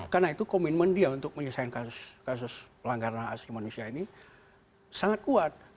karena itu komitmen dia untuk menyesuaikan kasus pelanggaran hak asasi manusia ini sangat kuat